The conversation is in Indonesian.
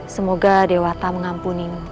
semoga dewata mengampuni